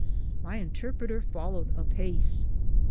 My intrpreter folloed apase.